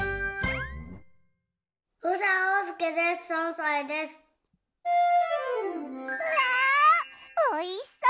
うわおいしそう！